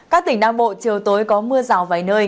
các tỉnh nam bộ chiều tối có mưa rào vài nơi